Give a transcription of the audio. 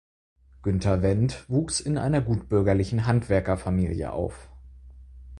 Günther Wendt wuchs in einer gutbürgerlichen Handwerkerfamilie auf.